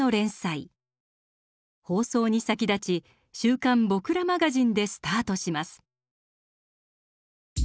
放送に先立ち「週刊ぼくらマガジン」でスタートします。